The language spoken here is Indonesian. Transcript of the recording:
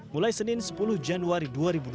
mulai senin sepuluh januari dua ribu dua puluh